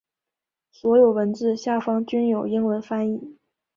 所有文字下方均有英文翻译。